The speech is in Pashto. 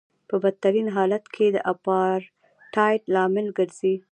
په بدترین حالت کې د اپارټایډ لامل ګرځي.